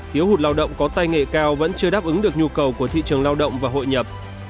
hiếu hụt lao động có tay nghề cao vẫn chưa đáp ứng được nhu cầu của thị trường lao động và hội nhập